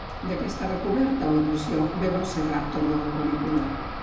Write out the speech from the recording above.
De què estava coberta la versió de Velociraptor de la pel·lícula?